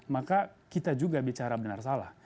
maka kita juga bicara benar salah